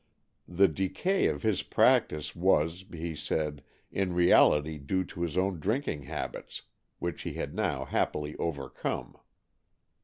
The decay of his practice was, he said, in reality due to his own drinking habits, which he had now happily overcome.